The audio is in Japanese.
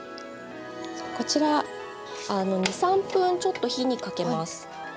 こちら２３分ちょっと火にかけます。